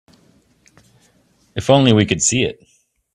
If only we could see it.